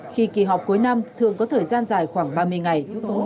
khi kỳ họp cuối năm thường có thời gian dài khoảng ba mươi ngày